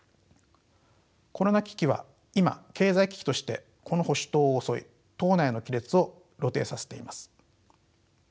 コロナ危機は今経済危機としてこの保守党を襲い党内の亀裂を露呈させています。